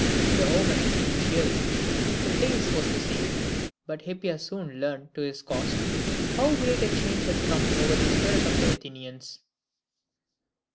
The omen seemed cheering. The place was the same; but Hippias soon learned to his cost how great a change had come over the spirit of the Athenians.